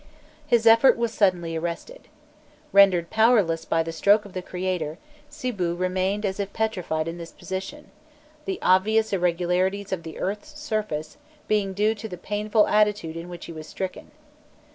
His effort was suddenly arrested. Rendered powerless by a stroke of the creator, Sibû remained as if petrified in this position, the obvious irregularities of the earth's surface being due to the painful attitude in which he was stricken.